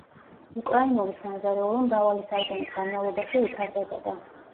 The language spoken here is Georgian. უკრაინული სამზარეულო მრავალი საუკუნის განმავლობაში ვითარდებოდა.